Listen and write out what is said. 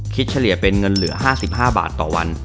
เฉลี่ยเป็นเงินเหลือ๕๕บาทต่อวัน